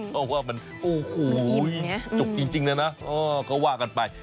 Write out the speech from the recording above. เพราะว่ามันโอ้โหจุกจริงเลยนะก็ว่ากันไป